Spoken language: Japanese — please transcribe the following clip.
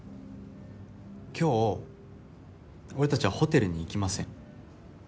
今日俺たちはホテルに行きません。